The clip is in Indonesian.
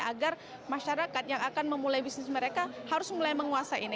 agar masyarakat yang akan memulai bisnis mereka harus mulai menguasai ini